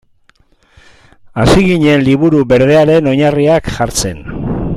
Hasi ginen Liburu Berdearen oinarriak jartzen.